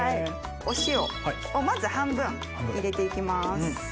お塩をまず半分入れて行きます。